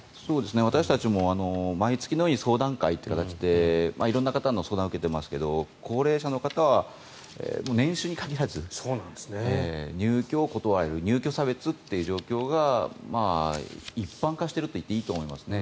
私たちも毎月のように相談会という形で色んな方の相談を受けていますけれど高齢者の方は年収に限らず入居を断られる入居差別ということが一般化していると言っていいと思いますね。